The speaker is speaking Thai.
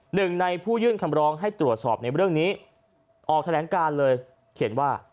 หนึ่งในผู้ยื่นคำร้องให้ตรวจสอบในเรื่องนี้ออกแถลงการเลยเขียนว่า